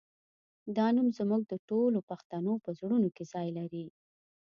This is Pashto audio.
دا نوم زموږ د ټولو پښتنو په زړونو کې ځای لري